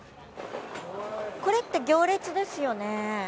これって行列ですよね？